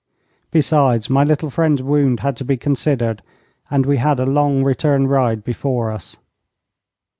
Besides, my little friend's wound had to be considered, and we had a long return ride before us.